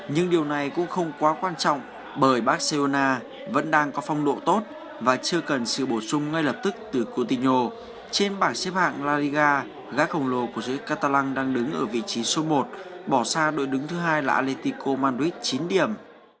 nhưng điều này cũng không quá quan trọng bởi barcelona vẫn đang có phong độ tốt và chưa cần sự bổ sung ngay lập tức từ coutinho trên bảng xếp hạng la liga gác khổng lồ của dưới catalan đang đứng ở vị trí số một bỏ xa đội đứng thứ hai là atletico madrid chín điểm